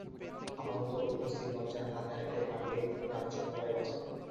আপাতত উপস্থিত লজ্জার হাত এড়াইতে পারিলেই রামচন্দ্র রায় বাঁচেন।